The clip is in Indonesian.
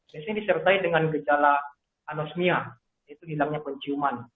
biasanya disertai dengan gejala anosmia yaitu hilangnya penciuman